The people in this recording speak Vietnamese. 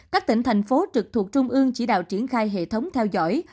các tỉnh thành phố trực thuộc trung ương chỉ đạo triển khai hệ thống theo dõi